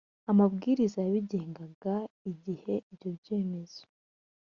amabwiriza yabigengaga igihe ibyo byemezo